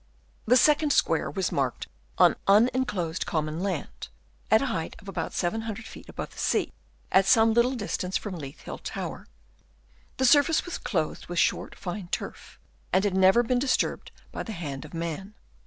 The second square was marked on un 170 WEIGHT OF EARTH Chap. III. enclosed common land, at a height of about 700 ft. above the sea, at some little distance from Leith Hill Tower. The surface was clothed with short, fine turf, and had never been disturbed by the hand of man.